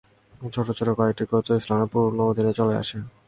ছোট ছোট কয়েকটি গোত্র ইসলামের পূর্ণ অধীনে চলে আসে।